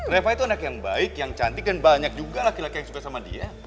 reva itu anak yang baik yang cantik dan banyak juga laki laki yang suka sama dia